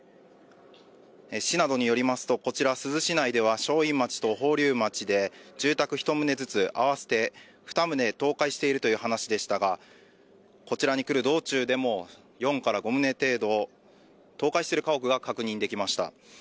市などによりますとこちら珠洲市内では正院町と宝立町で住宅１棟ずつ、合わせて２棟倒壊しているという話でしたが、こちらに来る道中でも４５棟程度、倒壊している家屋が確認できました。